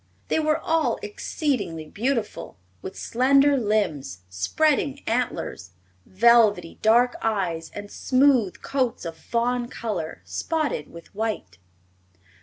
They were all exceedingly beautiful, with slender limbs, spreading antlers, velvety dark eyes and smooth coats of fawn color spotted with white.